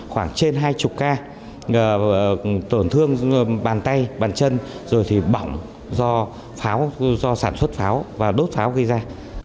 khoảng trên hai mươi ca tổn thương bàn tay bàn chân rồi thì bỏng do pháo do sản xuất pháo và đốt pháo gây ra